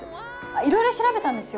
いろいろ調べたんですよ